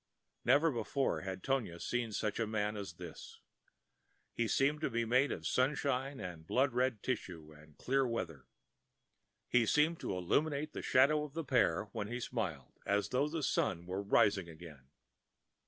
Never before had Tonia seen such a man as this. He seemed to be made of sunshine and blood red tissue and clear weather. He seemed to illuminate the shadow of the pear when he smiled, as though the sun were rising again.